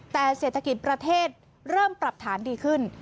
แต่เศรษฐกิจประเทศเริ่มปรับฐานดีขึ้น